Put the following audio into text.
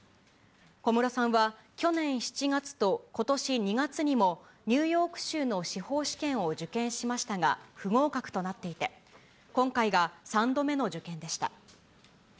小室さんは、去年７月とことし２月にも、ニューヨーク州の司法試験を受験しましたが、不合格となっていて、今回が３度目の受験でした。